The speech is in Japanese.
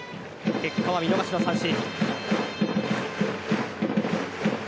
結果は見逃しの三振。